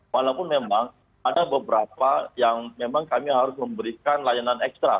walaupun memang ada beberapa yang memang kami harus memberikan layanan ekstra